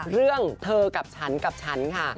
เรื่องเธอกับฉันกับฉันค่ะ